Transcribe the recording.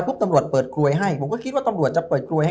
ปุ๊บตำรวจเปิดกลวยให้